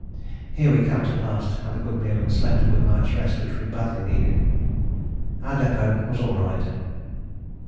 Here we camped at last, had a good meal and slept a good night's rest which we badly needed. Our depôt was all right."